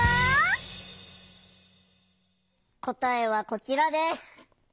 答えはこちらです。